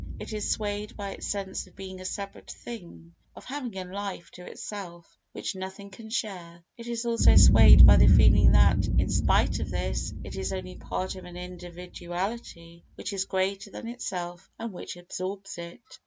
It is swayed by its sense of being a separate thing—of having a life to itself which nothing can share; it is also swayed by the feeling that, in spite of this, it is only part of an individuality which is greater than itself and which absorbs it.